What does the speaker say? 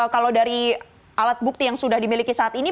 kalau dari alat bukti yang sudah dimiliki saat ini